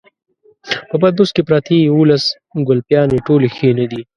په پټنوس کې پرتې يوولس ګلپيانې ټولې ښې نه دي.